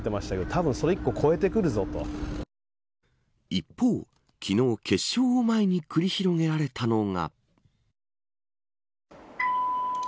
一方、昨日決勝を前に繰り広げられたのが。